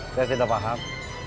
saya tidak paham